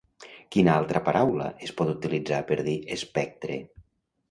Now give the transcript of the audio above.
Quina altra paraula es pot utilitzar per dir “espectre”?